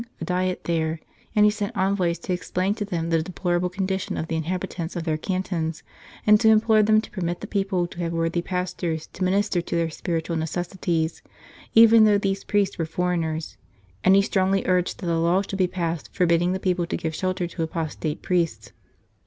a Diet there, and he sent envoys to explain to them the deplorable condition of the inhabitants of their cantons, and to implore them to permit the people to have worthy pastors to minister to their spiritual necessities, even though these priests were foreigners, and he strongly urged that a law should be passed forbidding the people to give shelter to apostate priests.